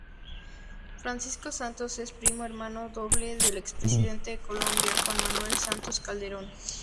Francisco Santos es primo hermano doble del exPresidente de Colombia Juan Manuel Santos Calderón.